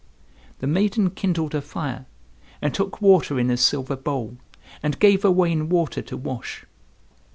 The maiden kindled a fire, and took water in a silver bowl, and gave Owain water to wash.